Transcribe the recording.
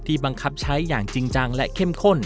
บังคับใช้อย่างจริงจังและเข้มข้น